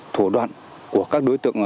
thủ đoạn của các đối tượng